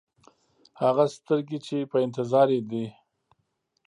هغه سترګې چې په انتظار یې دی.